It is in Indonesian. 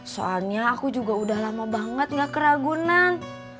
soalnya aku juga udah lama banget gak ke ragunan